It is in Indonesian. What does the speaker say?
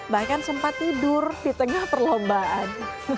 bahkan sempat tidur di tengah perlombaan